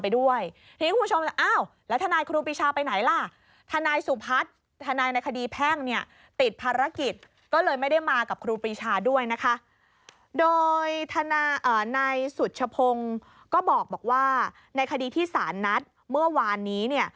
โดยนายสุชพงศ์ก็บอกว่าในคดีที่สารนัดเมื่อวานนี้เนี่ย